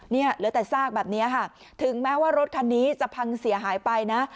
เหลือแต่ซากแบบนี้ค่ะถึงแม้ว่ารถคันนี้จะพังเสียหายไปนะ